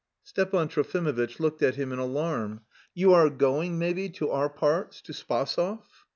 Stepan Trofimovitch looked at him in alarm. "You are going, maybe, to our parts, to Spasov?"